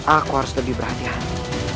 aku harus lebih berhati hati